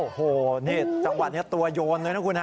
โอ้โหจังหวัดนี้ตัวยงเลยนะคุณฮะ